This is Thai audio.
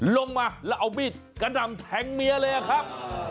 ลงมาแล้วเอามีดกระดำแทงเมียเลยครับ